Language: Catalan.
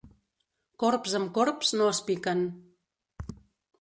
Corbs amb corbs no es piquen.